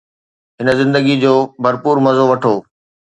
هن زندگيءَ جو ڀرپور مزو وٺو